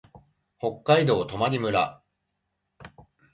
北海道泊村